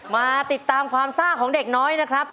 มาติดตามความซ่าของเด็กน้อยนะครับ